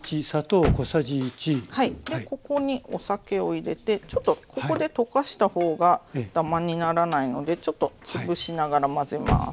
ここにお酒を入れてちょっとここで溶かした方がダマにならないのでちょっとつぶしながら混ぜます。